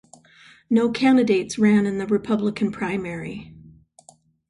No candidates ran in the Republican primary.